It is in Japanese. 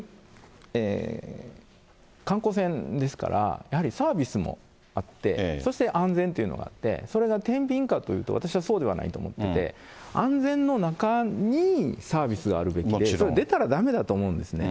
観光船ですから、やはりサービスもあって、そして安全というのがあって、それがてんびんかというと、私はそうではないと思っていて、安全の中にサービスがあるべきで、出たらだめだと思うんですね。